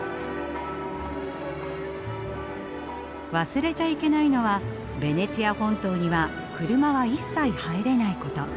忘れちゃいけないのはベネチア本島には車は一切入れないこと。